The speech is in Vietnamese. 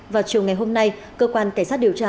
vào chiều ngày hôm nay cơ quan cảnh sát điều tra